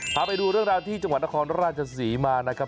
พาไปดูเรื่องราวที่จังหวัดนครราชศรีมานะครับ